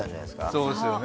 そうですよね。